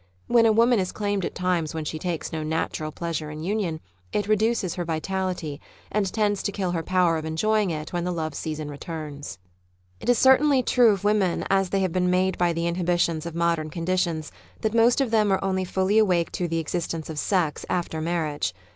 When a woman is claimed at times when she takes no natural pleasure in union, it reduces her vitality, and tends to kill her power of enjoying it when the love season returns. It is certainly true of wom^en as they have been made by the inhibitions of modern conditions, that most of them are only fully awake to the existence of sex after marriage.